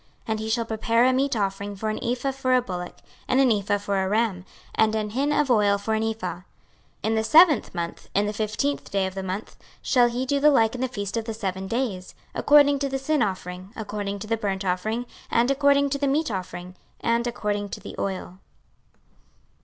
26:045:024 And he shall prepare a meat offering of an ephah for a bullock, and an ephah for a ram, and an hin of oil for an ephah. 26:045:025 In the seventh month, in the fifteenth day of the month, shall he do the like in the feast of the seven days, according to the sin offering, according to the burnt offering, and according to the meat offering, and according to the oil.